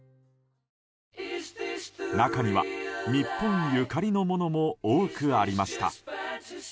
中には、日本ゆかりのものも多くありました。